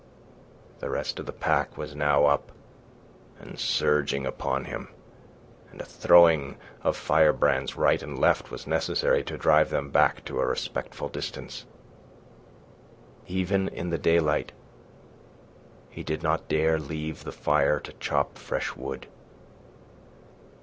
The rest of the pack was now up and surging upon him, and a throwing of firebrands right and left was necessary to drive them back to a respectful distance. Even in the daylight he did not dare leave the fire to chop fresh wood.